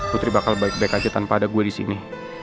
putri bakal baik baik aja tanpa ada gue disini